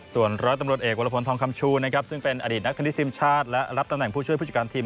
ส่วนร้อยตำรวจเอกวรพลทองคำชูนะครับซึ่งเป็นอดีตนักคณิตทีมชาติและรับตำแหน่งผู้ช่วยผู้จัดการทีม